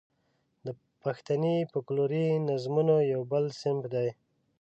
د پښتني فوکلوري نظمونو یو بل صنف دی.